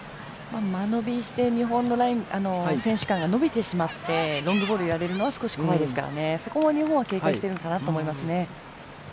間延びして日本の選手から延びてしまってロングボールをやられるのは怖いですからね、そこは日本も警戒しているのかなと思いますね。